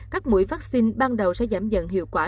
các mũi vaccine ban đầu sẽ giảm dần hiệu quả